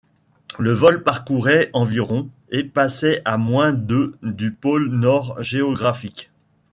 Le vol parcourait environ et passait à moins de du Pôle Nord géographique.